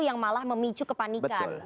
yang malah memicu kepanikan